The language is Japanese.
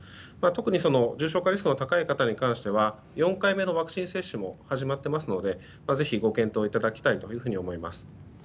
特に、重症化リスクの高い人に関しては４回目のワクチン接種も始まっていますのでご検討していただきたいです。